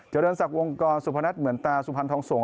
เจริญศักดิ์วงกรสุพนัทเหมือนตาสุพรรณทองสงฆ